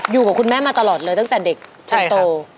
อยู่กับคุณแม่มาตลอดเลยตั้งแต่เด็กชั้นโต